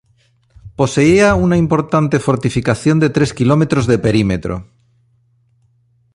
Poseía una importante fortificación de tres kilómetros de perímetro.